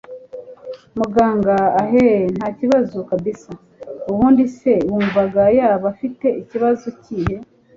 muganga eheee! ntakibazo kabsa! ubundi se wumvaga yaba afite ikibazo kihe!